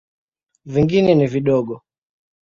Vingine ni vidogo.